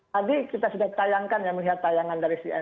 tadi kita sudah tayangkan ya melihat tayangan dari cnn